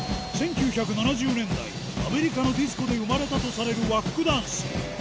１９７０年代、アメリカのディスコで生まれたとされるワックダンス。